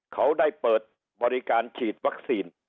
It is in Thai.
เขาได้เปิดบริการฉีดวัคซีน